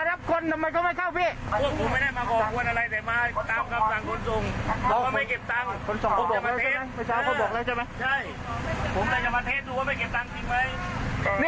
มันอยากมาเทสดูไม่เก็บจำเป็นไม่